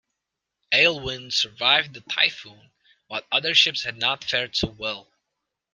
"Aylwin" survived the typhoon, but other ships had not fared so well.